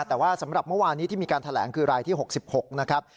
แต่ว่าสำหรับเมื่อวานนี้ที่มีการแถลงคือรายที่๖๖นะครับ